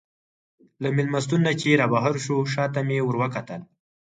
له مېلمستون نه چې رابهر شوو، شا ته مې وروکتل.